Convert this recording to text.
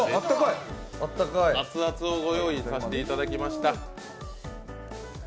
熱々をご用意させていただきました。